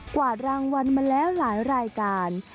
วาดรางวัลมาแล้วหลายรายการ